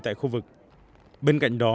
tại khu vực bên cạnh đó